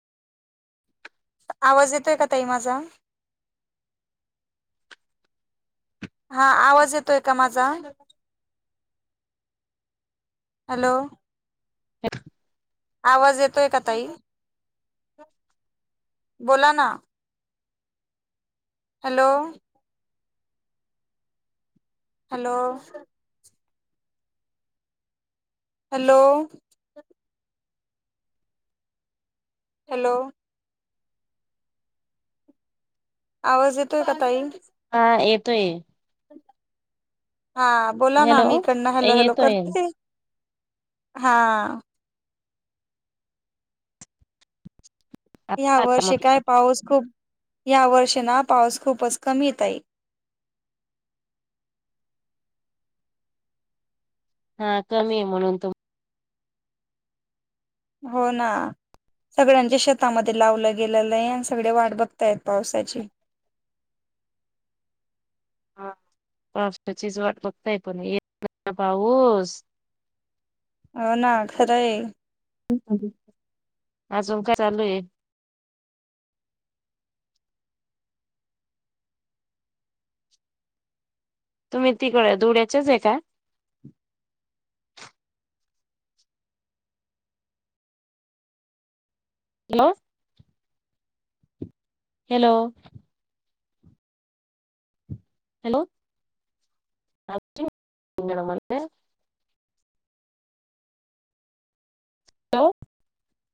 आवाज येतोय का ताई माझा? हा आवाज येतोय का माझा? हॅलो. [inaudible] आवाज येतोय का ताई? बोला ना. हॅलो. हॅलो. हॅलो. हॅलो. आवाज येतोय का ताई? हा येतोय. हा बोला हॅलो ना मी इकडणं हॅलो हॅलो येतोय करते हा. ह्या आता आला वर्षी म्हटलं काय पाऊस खूप ह्या वर्षीना पाऊस खूप कमी ये ताई. हा कमी ये म्हणून तर हो ना. सगळ्यांच्या शेतामध्ये लावलं गेलेलंय आणि सगळे वाट बघतायेत पावसाची. हा. पावसाचीचं वाट बघतायेत पण [unintelligible] पाऊस हो ना खरंय अजून काय अजून काय चालू ये. तुम्ही तिघ धुळ्याचे हाय का? हॅलो. हॅलो. Hello [unintelligible] hello.